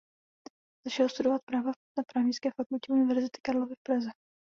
Začal studovat práva na Právnické fakultě Univerzity Karlovy v Praze.